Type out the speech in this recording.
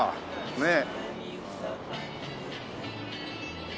ねえ。